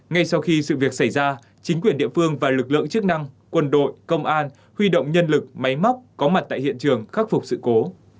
ngay sau khi sự việc xảy ra chính quyền địa phương và lực lượng chức năng quân đội công an huy động nhân lực máy móc có mặt tại hiện trường khắc phục sự cố